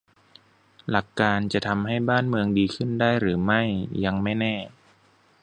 หลักการ จะทำให้บ้านเมืองดีขึ้นได้หรือไม่ ยังไม่แน่